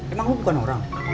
emang lu bukan orang